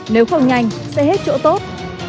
nếu không nhanh sẽ hết chỗ tốt